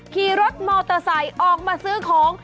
ขี่รถมอเตอร์ไซค์ออกมาซื้อของ